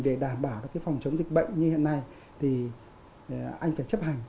để đảm bảo được phòng chống dịch bệnh như hiện nay thì anh phải chấp hành